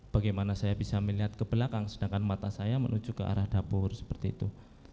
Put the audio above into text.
bagaimana saya bisa melihat ke belakang sedangkan mata saya menuju ke arah dapur seperti itu